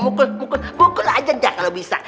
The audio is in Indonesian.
mau mukul mukul aja jah kalau bisa